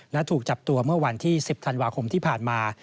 และถูกจับตัวเมื่อวันที่๑๐ธันวาคมที่ผ่านมา